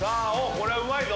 これうまいぞ。